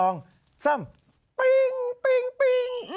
นี่นี่ไง